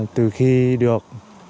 từ khi được